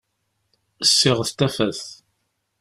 Ssiɣet tafat!